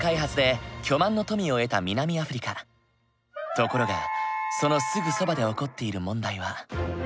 ところがそのすぐそばで起こっている問題は。